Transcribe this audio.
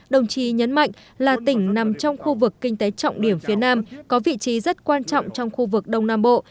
đồng chí nhấn mạnh là tỉnh nằm trong khu vực kinh tế trọng điểm phía nam có vị trí rất quan trọng trong khu vực đông nam bộ